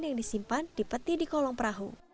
yang disimpan dipeti di kolong perahu